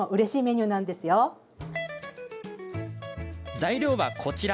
材料は、こちら。